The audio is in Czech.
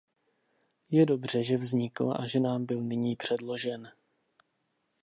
Je dobře, že vznikl a že nám byl nyní předložen.